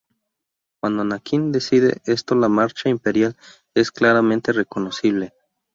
Cuando Anakin dice esto la Marcha Imperial es claramente reconocible.